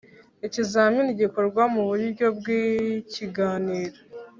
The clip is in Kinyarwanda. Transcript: Ikizamini gikorwa mu buryo bw’ ikiganiro .